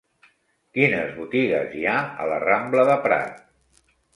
Quines botigues hi ha a la rambla de Prat?